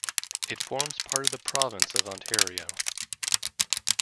It forms part of the province of Ontario.